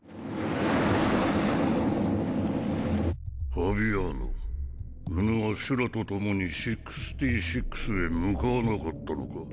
ファビアーノうぬはシュラと共に６６へ向かわなかったのか。